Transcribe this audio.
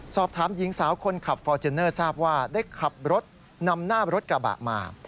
สอบถามหญิงสาวคนขับฟอร์เจนเนอร์ทราบว่าได้ขับรถนำหน้ารถกระบะมา